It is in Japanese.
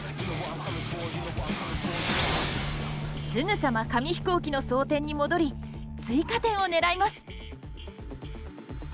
すぐさま紙飛行機の装填に戻り追加点を狙います。